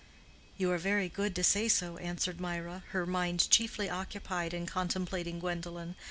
"You are very good to say so," answered Mirah, her mind chiefly occupied in contemplating Gwendolen.